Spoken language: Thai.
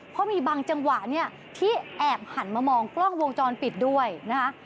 เพราะมีบางจังหวะเนี่ยที่แอบหันมามองกล้องวงจรปิดด้วยนะคะ